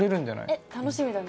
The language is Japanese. えっ楽しみだね。